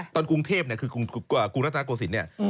ตอนกรุงเทพฯคือกรุงราศนาโกศิษฐ์เนี่ย